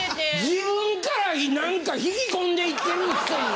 自分から何か引き込んで行ってるくせに！